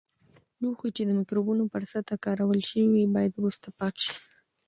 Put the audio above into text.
لوښي چې د مکروبونو پر سطحې کارول شوي وي، باید وروسته پاک شي.